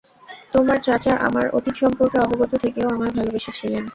তোমার চাচা আমার অতীত সম্পর্কে অবগত থেকেও আমায় ভালোবেসেছিলেন।